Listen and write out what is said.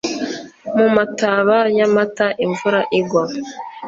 mu mataba ya mata imvura igwa